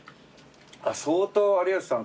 相当有吉さん